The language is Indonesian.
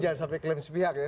jangan sampai klaim sepihak ya